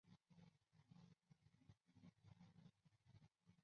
阿米尼亚阻止罗马帝国入侵德国北部的传奇英雄。